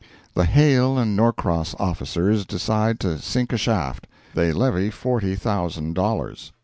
The Hale & Norcross officers decide to sink a shaft. They levy forty thousand dollars.